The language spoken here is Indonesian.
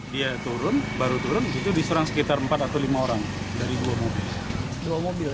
dia turun baru turun itu diserang sekitar empat atau lima orang dari dua mobil